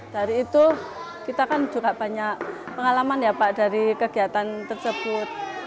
dari itu kita kan juga banyak pengalaman ya pak dari kegiatan tersebut